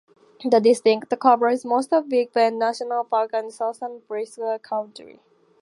The district covers most of Big Bend National Park and Southeastern Brewster County.